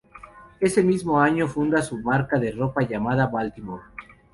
Ese mismo año funda su marca de ropa llamada Baltimore.